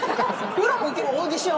プロも受けるオーディション。